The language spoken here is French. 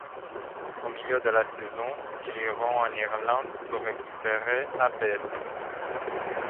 Au milieu de la saison, ils iront en Irlande pour récupérer Abel.